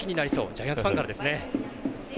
ジャイアンツファンからですね。